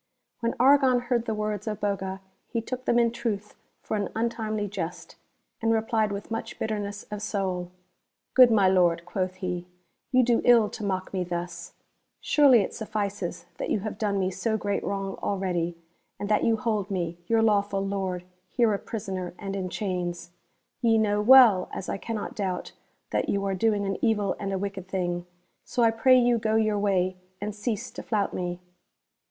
When Argon heard the words of Boga he took them in truth for an untimely jest, and replied with much bitter ness of soul :" Good my Lord," quoth he, " you do ill to mock me thus ! Surely it suffices that you have done me so great wrong already, and that you hold me, your lawful Lord, here a prisoner and in chains ! Ye know well, as I cannot doubt, that you are doing an evil and a wicked thing, so I pray you go your way, and cease to flout me."